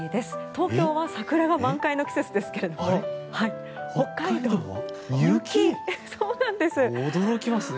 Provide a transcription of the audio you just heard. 東京は桜が満開の季節ですけれども驚きますね。